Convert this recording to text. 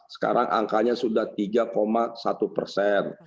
sekarang angkanya sudah tiga satu persen